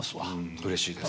うれしいです。